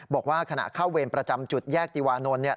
บอกว่าขณะเข้าเวรประจำจุดแยกติวานนท์เนี่ย